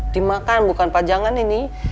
dimakan bukan pajangan ini